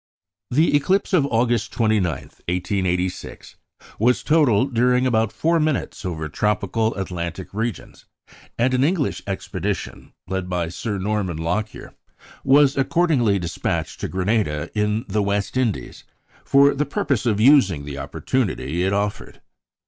The eclipse of August 29, 1886, was total during about four minutes over tropical Atlantic regions; and an English expedition, led by Sir Norman Lockyer, was accordingly despatched to Grenada in the West Indies, for the purpose of using the opportunity it offered.